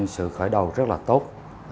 sự khởi đầu rất là tốt